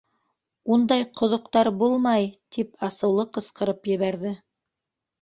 —Ундай ҡоҙоҡтар булмай, —тип асыулы ҡысҡырып ебәрҙе